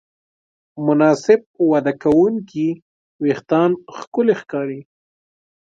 مناسب وده کوونکي وېښتيان ښکلي ښکاري.